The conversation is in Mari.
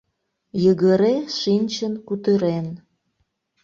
Йыгыре шинчын кутырен